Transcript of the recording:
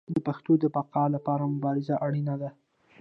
د پښتو د بقا لپاره مبارزه اړینه ده.